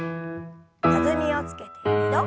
弾みをつけて２度。